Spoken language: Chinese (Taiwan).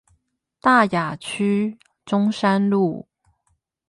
大雅區中山路